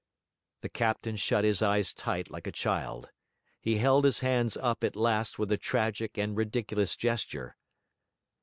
The captain shut his eyes tight like a child: he held his hands up at last with a tragic and ridiculous gesture.